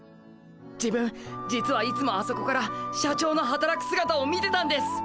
自分実はいつもあそこから社長のはたらくすがたを見てたんです。